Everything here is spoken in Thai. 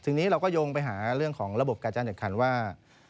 ทีนี้เราก็โยงไปหาเรื่องของระบบการแข่งขันว่า